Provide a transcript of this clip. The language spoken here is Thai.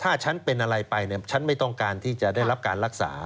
ถ้าฉันเป็นอะไรไปฉันไม่ต้องการที่จะได้รับการรักษา